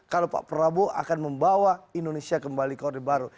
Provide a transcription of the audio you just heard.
kalau pak prabowo akan membawa indonesia kembali ke orde baru